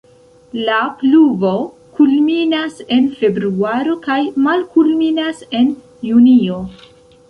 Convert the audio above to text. La pluvo kulminas en februaro kaj malkulminas en junio.